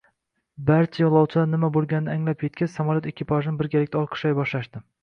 Barcha yoʻlovchilar nima boʻlganini anglab yetgach, samolyot ekipajini birgalikda olqishlay boshlashdi…